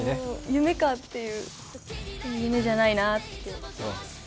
夢かっていう夢じゃないなって。